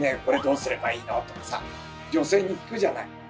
これどうすればいいの？」とかさ女性に聞くじゃない。